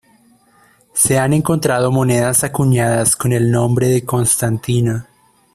Se han encontrado monedas acuñadas con el nombre de Constantino.